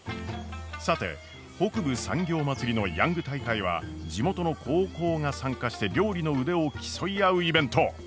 さて北部産業まつりのヤング大会は地元の高校が参加して料理の腕を競い合うイベント。